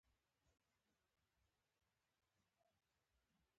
ښايي هغه به په دې اړه یوې نتيجې ته رسېدلی و.